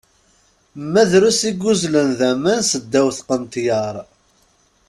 Ma drus i yuzzlen d aman seddaw teqneṭyar!